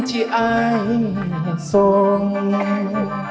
ที่อายส่ง